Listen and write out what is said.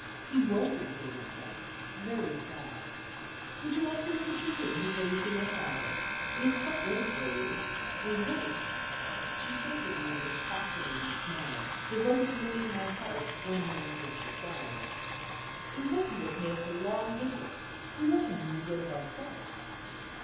He won't exert himself. Very sad. Would you like to look at your room, before you see my father? It is quite ready for you. We hope" she favored me with a fascinating smile, devoted to winning my heart when her interests required it "we hope you will pay us a long visit; we look on you as one of ourselves."